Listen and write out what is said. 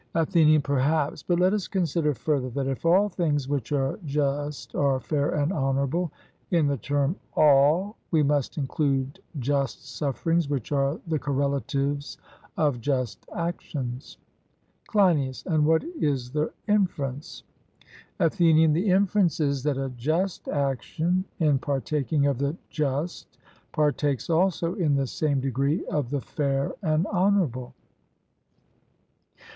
ATHENIAN: Perhaps; but let us consider further, that if all things which are just are fair and honourable, in the term 'all' we must include just sufferings which are the correlatives of just actions. CLEINIAS: And what is the inference? ATHENIAN: The inference is, that a just action in partaking of the just partakes also in the same degree of the fair and honourable.